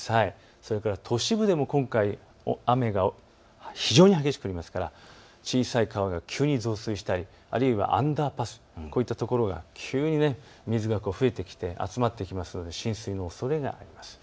そして都市部でも今回、雨が非常に激しく降りますから小さい川が急に増水したりあるいはアンダーパス、こういったところが急に水が増えてきて集まってくるので浸水のおそれがあります。